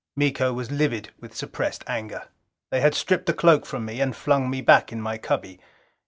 Miko was livid with suppressed anger. They had stripped the cloak from me, and flung me back in my cubby.